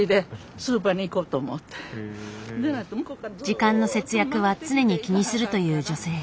時間の節約は常に気にするという女性。